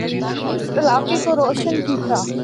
اس سنڑ اس علاقے کو روشن کیتا۔